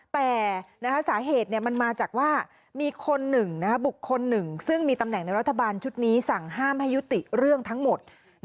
แต่สาเหตุมันมาจากว่ามีคนหนึ่งบุคคลหนึ่งซึ่งมีตำแหน่งในรัฐบาลชุดนี้สั่งห้ามให้ยุติเรื่องทั้งหมด